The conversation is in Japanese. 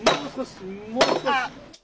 もう少し。